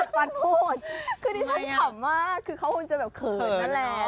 กระปัดโหดคือดิฉันขำมากคือเขาควรจะแบบเขินนั่นแหละ